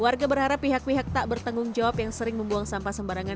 warga berharap pihak pihak tak bertanggung jawab yang sering membuang sampah sembarangan